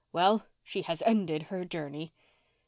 Well, she has ended her journey."